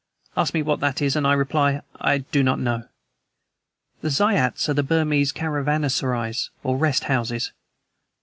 Ask me what that is and I reply 'I do not know.' The zayats are the Burmese caravanserais, or rest houses.